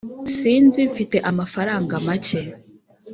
sinzi mfite amafaranga macye.